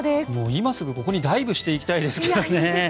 今すぐここにダイブしていきたいですけどね。